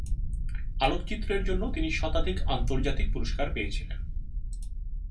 আলোকচিত্রের জন্য তিনি শতাধিক আন্তর্জাতিক পুরস্কার পেয়েছিলেন।